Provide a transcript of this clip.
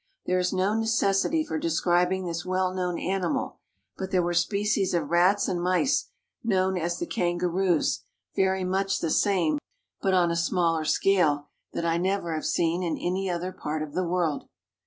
There is no necessity for describing this well known animal ; but there were species of rats and mice known as the kangaroos, very much SKETCHES OF TRAVEL the same, but on a smaller scale, that I never have seen in any other part of the world.